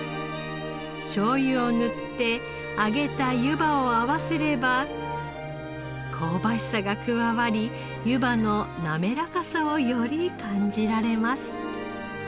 しょうゆを塗って揚げたゆばを合わせれば香ばしさが加わりゆばのなめらかさをより感じられます。